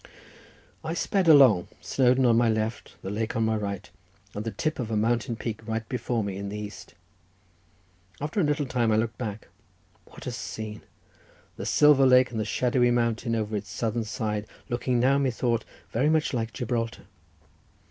I sped along, Snowdon on my left, the lake on my right, and the tip of a mountain peak right before me in the east. After a little time I looked back; what a scene! The silver lake and the shadowy mountain over its southern side looking now, methought, very much like Gibraltar.